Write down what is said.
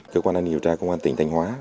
cơ quan an nghiệp tra công an tỉnh thanh hóa